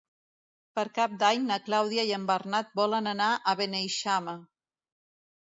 Per Cap d'Any na Clàudia i en Bernat volen anar a Beneixama.